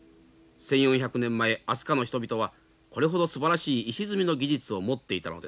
１，４００年前飛鳥の人々はこれほどすばらしい石積みの技術を持っていたのです。